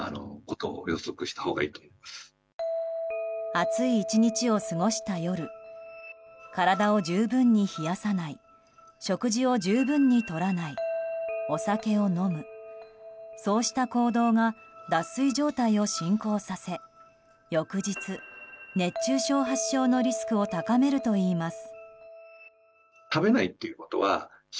暑い１日を過ごした夜体を十分に冷やさない食事を十分にとらないお酒を飲む、そうした行動が脱水状態を進行させ翌日、熱中症発症のリスクを高めるといいます。